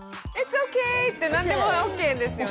って何でもＯＫですよね。